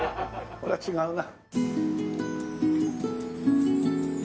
それは違うな。